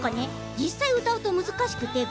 実際、歌うと難しくて。